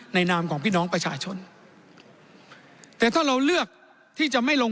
นามของพี่น้องประชาชนแต่ถ้าเราเลือกที่จะไม่ลง